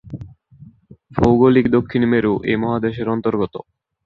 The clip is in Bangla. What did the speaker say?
ভৌগোলিক দক্ষিণ মেরু এই মহাদেশের অন্তর্গত।